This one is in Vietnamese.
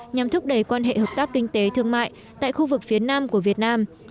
nhằm thúc đẩy quan hệ hợp tác kinh tế thương mại tại khu vực phía nam của việt nam